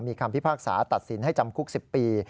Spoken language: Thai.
มีคำพิพากษาตัดสินให้จำคุก๑๐ปี